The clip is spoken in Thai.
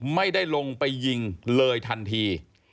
ไม่ได้ลงไปยิงเลยทันที